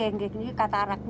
enggak ini katarak